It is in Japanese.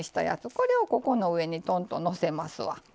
これをここの上にトンとのせますわ。